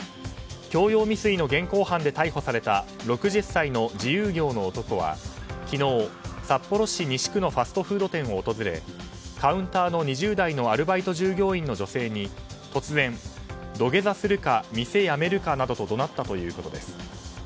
強要未遂の現行犯で逮捕された６０歳の自営業の男は昨日、札幌市西区のファストフード店を訪れカウンターの２０代のアルバイト従業員の女性に突然、土下座するか店辞めるかなどと怒鳴ったということです。